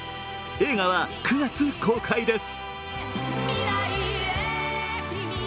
映画は９月公開です。